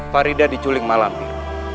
farida diculik mak lampir